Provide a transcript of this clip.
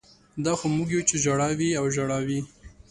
دا خو موږ یو چې ژړا وي او ژړا وي